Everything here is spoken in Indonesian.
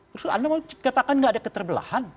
maksudnya anda mau katakan nggak ada keterbelahan